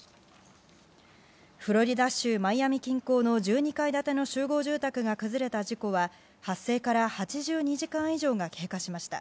フロリダ州マイアミ近郊の１２階建ての集合住宅が崩れた事故は発生から８２時間以上が経過しました。